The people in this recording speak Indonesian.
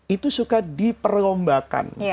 itu suka diperlombakan